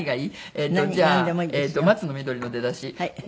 えっとじゃあ『松の緑』の出だし。